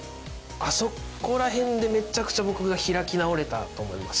あそこら辺でめちゃくちゃ僕が開き直れたと思います。